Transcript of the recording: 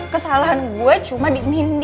kesalahan gue cuma di ini